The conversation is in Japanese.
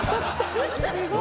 すごい。